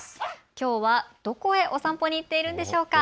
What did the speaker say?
きょうはどこへお散歩に行っているんでしょうか。